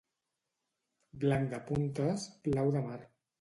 Blanc de puntes, blau de mar.